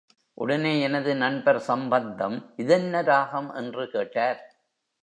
உடனே எனது நண்பர், சம்பந்தம், இதென்ன ராகம்? என்று கேட்டார்!